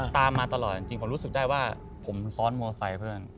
ฮันตามมาตลอดฉันรู้สึกได้ว่าผมซ้อนโมไซเบี้ยร์เพื่อน